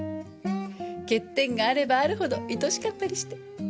欠点があればあるほど愛しかったりして。